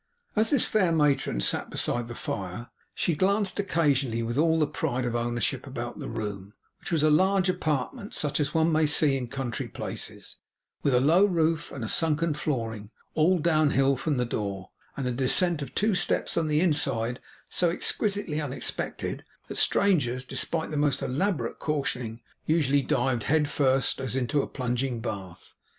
As this fair matron sat beside the fire, she glanced occasionally with all the pride of ownership, about the room; which was a large apartment, such as one may see in country places, with a low roof and a sunken flooring, all downhill from the door, and a descent of two steps on the inside so exquisitely unexpected, that strangers, despite the most elaborate cautioning, usually dived in head first, as into a plunging bath.